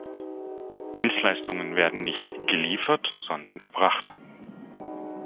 Dienstleistungen werden nicht „geliefert“, sondern erbracht.